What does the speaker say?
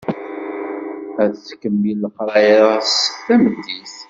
Ad tettkemmil leqraya-s tameddit.